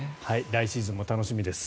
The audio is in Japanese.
来シーズンも楽しみです。